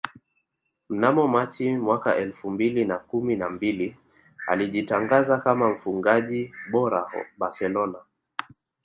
Mnamo Machi mwaka elfu mbili na kumi na mbili alijitangaza kama mfungaji bora Barcelona